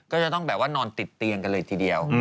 ก็จะต้องแบบว่านอนติดเตียงกันเลยทีเดียว